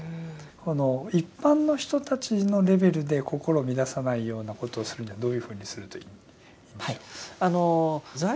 この一般の人たちのレベルで心を乱さないようなことをするにはどういうふうにするといいんでしょうか？